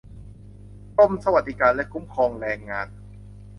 กรมสวัสดิการและคุ้มครองแรงงาน